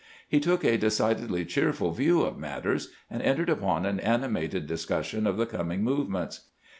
He took a decidedly cheerful view of matters, and entered upon an animated discussion of the coming movements.